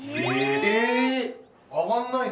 え！